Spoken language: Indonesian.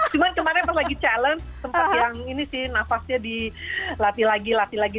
cuman kemarin pas lagi challenge tempat yang ini sih nafasnya dilatih lagi latih lagi